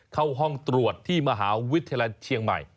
เข้าห้องตรวจที่มหาวิทยาลัยเชียงใหม่